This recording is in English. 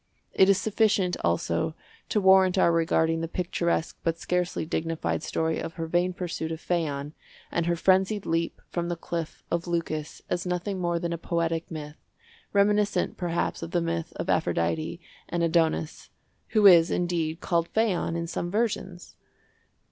It is sufficient, also, to warrant our regarding the picturesque but scarcely dignified story of her vain pursuit of Phaon and her frenzied leap from the Cliff of Leucas as nothing more than a poetic myth, reminiscent, perhaps, of the myth of Aphrodite and Adonis—who is, indeed, called Phaon in some versions.